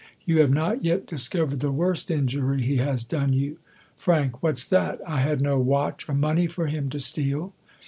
You have not yet discover ed the worst injury he has done you. Fr, What's that ? I had no watch or money for him to steal.